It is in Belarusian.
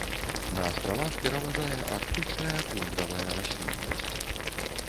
На астравах пераважае арктычная тундравая расліннасць.